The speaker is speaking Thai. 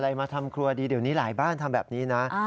มาทำครัวดีเดี๋ยวนี้หลายบ้านทำแบบนี้นะ